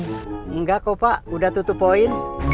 tidak kok pak sudah tutup poin